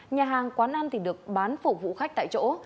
nhà hàng quán ăn được bán phục vụ khách tại chỗ